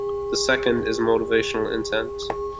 The second is "motivational" intent.